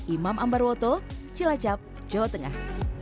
imam ambarwoto cilacap jawa tengah